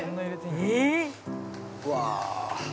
うわ。